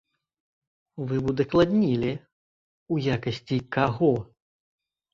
Вы б удакладнілі, у якасці каго?